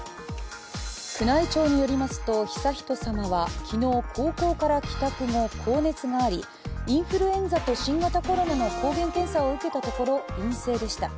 宮内庁によりますと、悠仁さまは昨日高校から帰宅後、高熱があり、インフルエンザと新型コロナの抗原検査を受けたところ陰性でした。